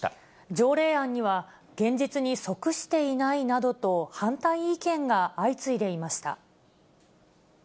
条例案には、現実に即していないなどと反対意見が相次いでいました。